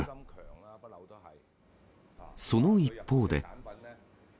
その一方で。